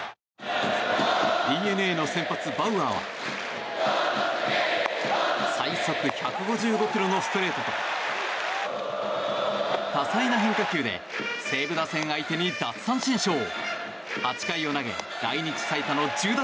ＤｅＮＡの先発、バウアーは最速１５５キロのストレートと多彩な変化球で西武打線相手に奪三振ショー！